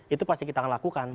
itu pasti kita akan lakukan